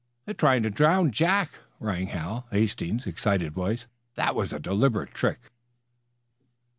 "They're trying to drown Jack!" rang Hal Hastings's excited voice. "That was a deliberate trick!"